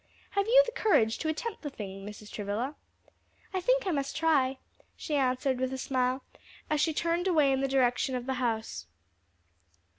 Have you the courage to attempt the thing, Mrs. Travilla?" "I think I must try," she answered, with a smile, as she turned away in the direction of the house.